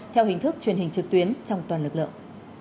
theo hình thức truyền hình trực tuyến trong toàn lực lượng